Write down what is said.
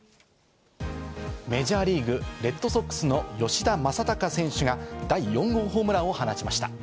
メジャーリーグ、レッドソックスの吉田正尚選手が第４号ホームランを放ちました。